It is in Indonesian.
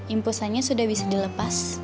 impusannya sudah bisa dilepas